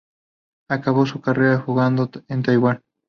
Acabó su carrera jugando en Taiwan.